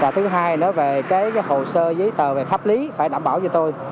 thứ hai nữa về hồ sơ giấy tờ về pháp lý phải đảm bảo cho tôi